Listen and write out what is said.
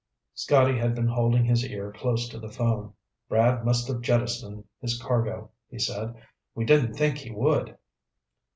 Scotty had been holding his ear close to the phone. "Brad must have jettisoned his cargo," he said. "We didn't think he would."